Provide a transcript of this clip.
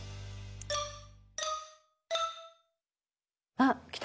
あっきた。